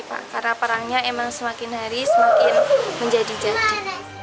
karena perangnya memang semakin hari semakin menjadi jati